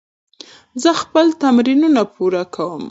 زه خپل تمرینونه پوره کوم.